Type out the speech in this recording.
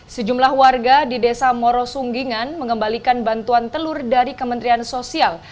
sejumlah warga di desa morosunggingan mengembalikan bantuan telur dari kementerian sosial